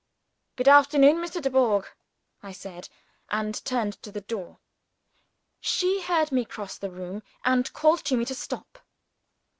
"Good afternoon, Mr. Dubourg," I said and turned to the door. She heard me cross the room, and called to me to stop.